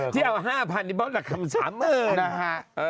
ที่เอา๕๐๐๐นี่เปล่าโทรศัพท์๓๐๐๐๐